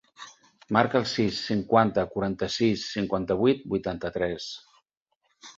Marca el sis, cinquanta, quaranta-sis, cinquanta-vuit, vuitanta-tres.